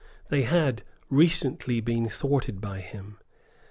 They had very recently been thwarted by him.